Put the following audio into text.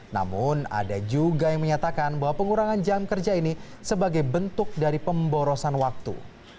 namun ada juga yang menyatakan bahwa pengurangan jam kerja ini sebagai bentuk dari pemborosan waktu